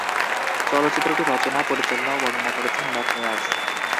চলচ্চিত্রটি রচনা, পরিচালনা ও বর্ণনা করেছেন ম্যাট মেয়ার্স।